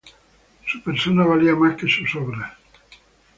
Su persona valía más que sus obras".